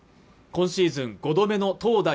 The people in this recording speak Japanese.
今シーズン５度目の投打